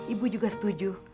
ibu juga setuju